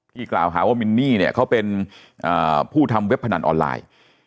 กล่าวหาว่ามินนี่เนี่ยเขาเป็นผู้ทำเว็บพนันออนไลน์